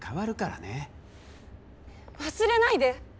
忘れないで！